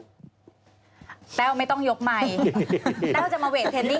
แป้วไม่ต้องยกไมค์